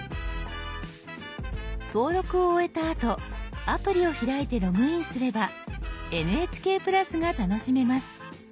登録を終えたあとアプリを開いてログインすれば「ＮＨＫプラス」が楽しめます。